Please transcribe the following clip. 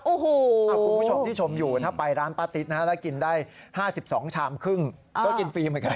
โอ้โหคุณผู้ชมที่ชมอยู่ถ้าไปร้านป้าติ๊ดนะฮะแล้วกินได้๕๒ชามครึ่งก็กินฟรีเหมือนกัน